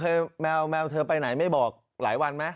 แมวแมวเธอไปไหนไม่บอกหลายวันไหม